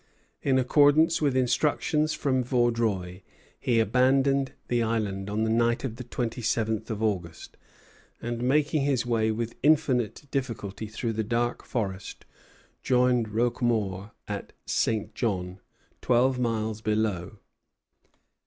In accordance with instructions from Vaudreuil, he abandoned the island on the night of the twenty seventh of August, and, making his way with infinite difficulty through the dark forest, joined Roquemaure at St. John, twelve miles below.